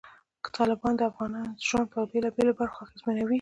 تالابونه د افغانانو ژوند په بېلابېلو برخو کې اغېزمنوي.